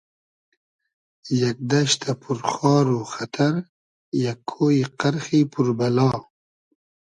یئگ دئشتۂ پور خار و خئتئر یئگ کۉیی قئرخی پور بئلا